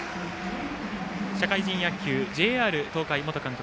社会人野球、ＪＲ東海元監督